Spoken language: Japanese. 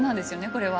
これは。